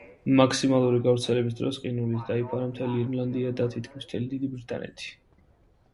მაქსიმალური გავრცელების დროს ყინულით დაიფარა მთელი ირლანდია და თითქმის მთელი დიდი ბრიტანეთი.